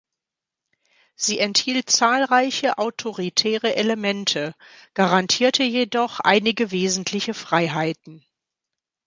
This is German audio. Sie enthielt zahlreiche autoritäre Elemente, garantierte jedoch einige wesentliche Freiheiten.